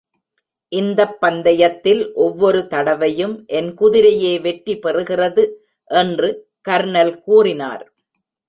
இந்தப் பந்தயத்தில் ஒவ்வொரு தடவையும் என் குதிரையே வெற்றிபெறுகிறது என்று கர்னல் கூறினார்.